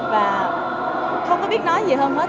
và không có biết nói gì hơn hết